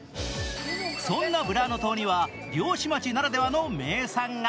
そんなブラーノ島には漁師町ならではの名産が。